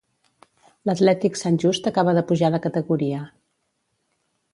L'atlètic Sant Just acaba de pujar de categoria.